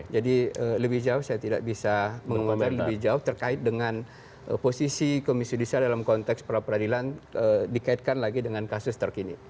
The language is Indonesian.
lebih jauh saya tidak bisa menguatkan lebih jauh terkait dengan posisi komisi yudisial dalam konteks peradilan dikaitkan lagi dengan kasus terkini